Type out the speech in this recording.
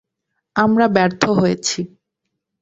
আমরা ব্যর্থ হয়েছি।